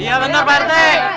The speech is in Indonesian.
iya betul pak rt